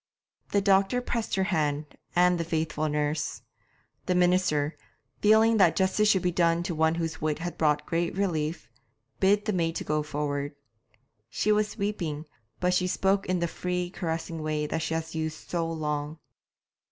The doctor pressed her hand, and the faithful nurse. The minister, feeling that justice should be done to one whose wit had brought great relief, bid the maid go forward. She was weeping, but she spoke in the free, caressing way that she had used so long.